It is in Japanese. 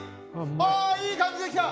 あいい感じで来た！